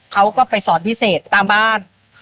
เขาก็ไปสอนพิเศษตามบ้าน